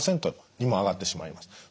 ９％にも上がってしまいます。